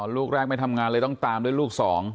ลูกแรกไม่ทำงานเลยต้องตามด้วยลูก๒